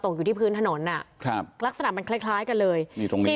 อยู่ที่พื้นถนนอ่ะครับลักษณะมันคล้ายคล้ายกันเลยนี่ตรงนี้